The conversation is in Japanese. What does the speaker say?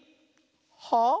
「はあ？」。